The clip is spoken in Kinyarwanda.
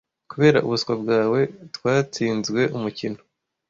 Kubera ubuswa bwawe, twatsinzwe umukino.